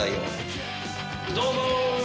どうも。